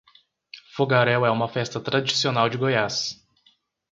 Fogaréu é uma festa tradicional de Goiás